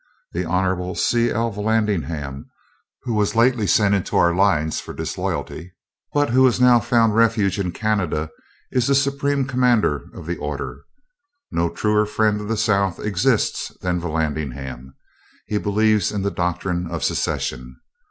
The Hon. C. L. Vallandigham, who was lately sent into our lines for disloyalty, but who has now found a refuge in Canada, is the Supreme Commander of the order. No truer friend of the South exists than Vallandigham. He believes in the doctrine of secession.